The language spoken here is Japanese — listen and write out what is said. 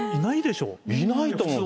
いないと思うよね。